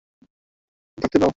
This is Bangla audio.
আমাকে তোমার সাথে থাকতে দাও।